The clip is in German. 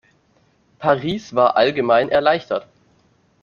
Paris war allgemein erleichtert.